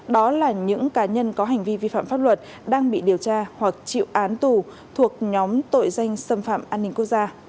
đó là những cá nhân có hành vi vi phạm pháp luật đang bị điều tra hoặc chịu án tù thuộc nhóm tội danh xâm phạm an ninh quốc gia